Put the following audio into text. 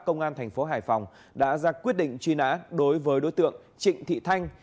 công an tp hải phòng đã ra quyết định truy nã đối với đối tượng trịnh thị thanh